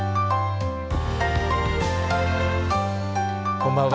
こんばんは。